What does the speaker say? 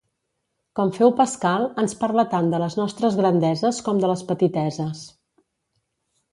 Com féu Pascal, ens parla tant de les nostres grandeses com de les petiteses.